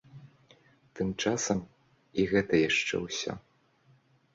Тым часам і гэта яшчэ ўсё.